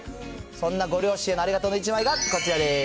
そんなご両親へのありがとうの１枚がこちらです。